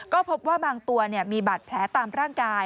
ก็พบว่าบางตัวมีบาดแผลตามร่างกาย